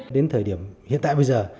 đến thời điểm hiện tại bây giờ